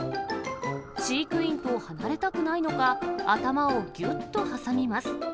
飼育員と離れたくないのか、頭をぎゅっと挟みます。